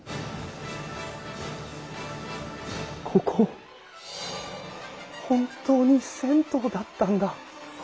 ここ本当に銭湯だったんだ。